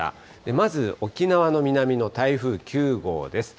まず沖縄の南の台風９号です。